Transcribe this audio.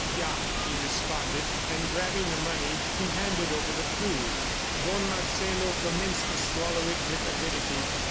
"Ya," he responded, and grabbing the money, he handed over the food. Don Marcelo commenced to swallow it with avidity.